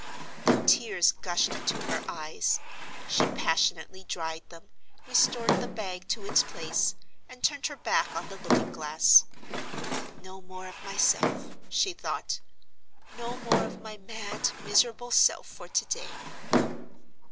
The tears gushed into her eyes. She passionately dried them, restored the bag to its place, and turned her back on the looking glass. "No more of myself," she thought; "no more of my mad, miserable self for to day!"